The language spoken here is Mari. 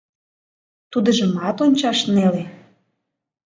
Тудыжымат ончаш неле.